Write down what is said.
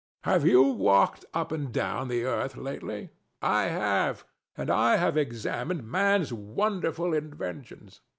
Have you walked up and down upon the earth lately? I have; and I have examined Man's wonderful inventions.